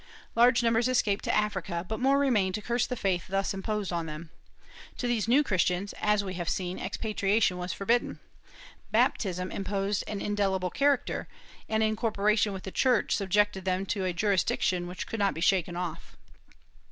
Large numbers escaped to Africa, but more remained to curse the faith thus imposed on them. To these New Christians, as we have seen, expatriation was forbidden. Baptism imposed an indelible character, and in corporation with the Church subjected them to a jurisdiction which could not be shaken off.